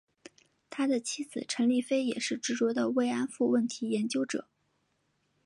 他的妻子陈丽菲也是执着的慰安妇问题研究者。